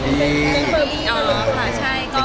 มีความพูดคุยพิเศษไหม